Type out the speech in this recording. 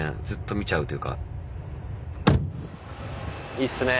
いいっすね。